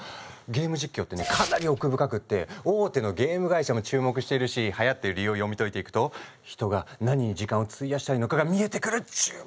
ゲーム実況ってねかなり奥深くって大手のゲーム会社も注目してるしはやっている理由を読み解いていくと人が何に時間を費やしたいのかが見えてくるっちゅう。